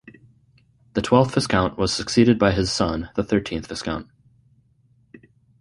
The twelfth Viscount was succeeded by his son, the thirteenth Viscount.